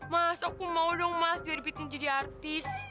mas aku mau dong mas dia dibikin jadi artis